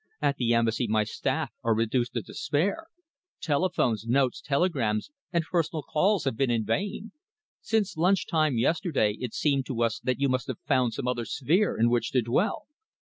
At the Embassy my staff are reduced to despair. Telephones, notes, telegrams, and personal calls have been in vain. Since lunch time yesterday it seemed to us that you must have found some other sphere in which to dwell."